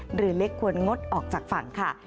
หรือเล็กควรงดออกจากฝั่งค่ะ